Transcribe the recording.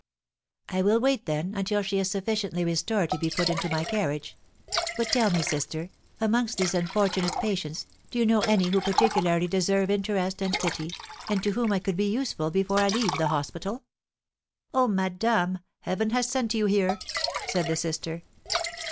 "I will wait, then, until she is sufficiently restored to be put into my carriage; but tell me, sister, amongst these unfortunate patients, do you know any who particularly deserve interest and pity, and to whom I could be useful before I leave the hospital?" "Ah, madame, Heaven has sent you here!" said the sister.